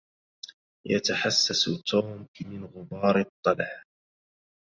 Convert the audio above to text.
يتحسس توم من غبار الطلع